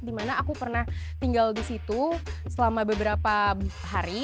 dimana aku pernah tinggal di situ selama beberapa hari